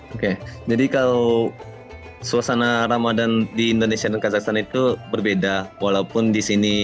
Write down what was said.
oke jadi kalau suasana ramadan di indonesia dan kazakhstan itu berbeda walaupun di sini